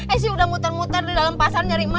eh si udah muter muter di dalam pasarnya rima